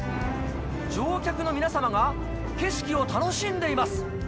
乗客の皆様が景色を楽しんでいます。